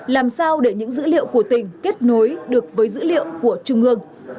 làm sao để những dữ liệu của tỉnh kết nối được với dữ liệu của trung ương